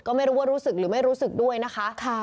ก็ไม่รู้ว่ารู้สึกหรือไม่รู้สึกด้วยนะคะ